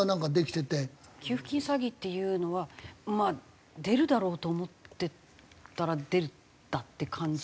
給付金詐欺っていうのはまあ出るだろうと思ってたら出たって感じですかね。